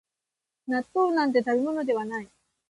納豆なんて食べ物ではない